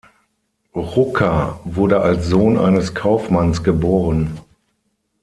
Rucker wurde als Sohn eines Kaufmanns geboren.